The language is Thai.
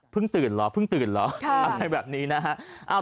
ตื่นเหรอเพิ่งตื่นเหรออะไรแบบนี้นะฮะ